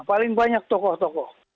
paling banyak tokoh tokoh